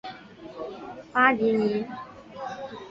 巴蒂尼。